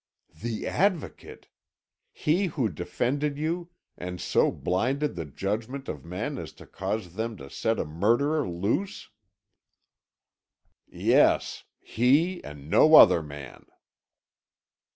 "The Advocate! He who defended you, and so blinded the judgment of men as to cause them to set a murderer loose?" "Yes; he, and no other man."